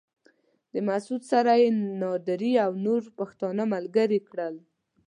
له مسعود سره يې نادري او نور پښتانه ملګري کړل.